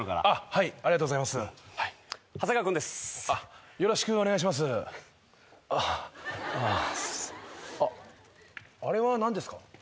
あっあれは何ですか？